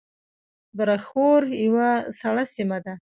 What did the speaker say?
برښور یوه سړه سیمه ده